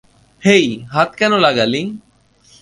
হেই, হাত কেন লাগালি?